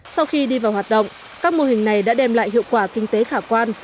sau khi đi vào hoạt động các mô hình này đã đem lại hiệu quả kinh tế khả quan